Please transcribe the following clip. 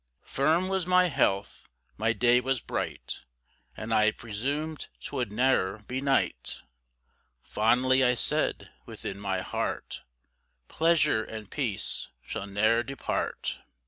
1 Firm was my health, my day was bright, And I presum'd 'twould ne'er be night; Fondly I said within my heart, "Pleasure and peace shall ne'er depart."